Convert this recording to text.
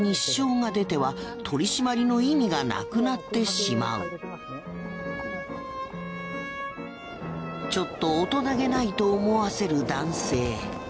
男性をちょっと大人気ないと思わせる男性。